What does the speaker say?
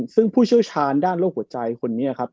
ซึ่งผู้เชี่ยวชาญด้านโรคหัวใจคนนี้ครับ